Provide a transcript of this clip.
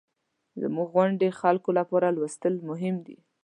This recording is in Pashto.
زموږ غوندې خلکو لپاره لوستل مهم دي.